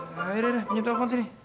ya ada ada pinjem telepon sini